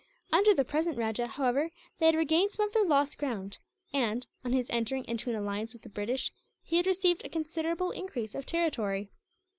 Under the present rajah, however, they had regained some of their lost ground and, on his entering into an alliance with the British, he had received a considerable increase of territory.